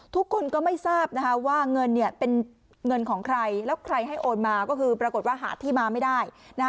ทุกคนก็ไม่ทราบนะคะว่าเงินเป็นเงินของใครแล้วใครให้โอนมาก็คือปรากฏว่าหาที่มาไม่ได้